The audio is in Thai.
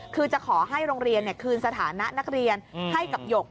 คือจะขอให้โรงเรียนคืนสถานะนักเรียนให้กับหยก